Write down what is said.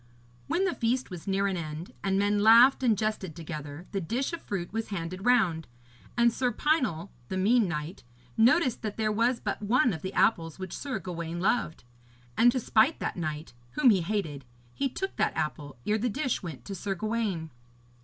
When the feast was near an end, and men laughed and jested together, the dish of fruit was handed round, and Sir Pinel, the mean knight, noticed that there was but one of the apples which Sir Gawaine loved; and to spite that knight, whom he hated, he took that apple, ere the dish went to Sir Gawaine.